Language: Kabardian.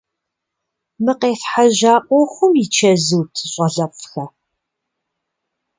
Мы къефхьэжьа ӏуэхум и чэзут, щӏалэфӏхэ?